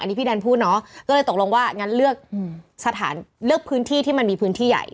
อันนี้พี่แดนพูดเนาะก็เลยตกลงว่างั้นเลือกสถานเลือกพื้นที่ที่มันมีพื้นที่ใหญ่